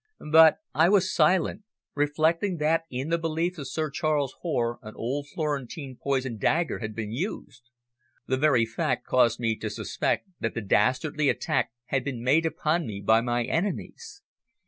But I was silent, reflecting that in the belief of Sir Charles Hoare an old Florentine poison dagger had been used. The very fact caused me to suspect that the dastardly attack had been made upon me by my enemies.